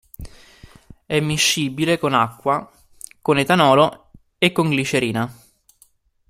È miscibile con acqua, con etanolo e con glicerina.